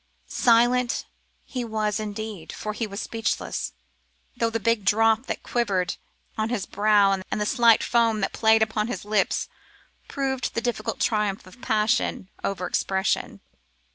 Silent he was indeed, for he was speechless; though the big drop that quivered on his brow and the slight foam that played upon his lip proved the difficult triumph of passion over expression.